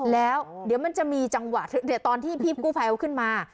แล้วเดี๋ยวมันจะมีจังหวะเดี๋ยวตอนที่พี่กู้ภัยเขาขึ้นมา